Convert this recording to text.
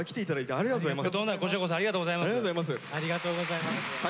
ありがとうございます。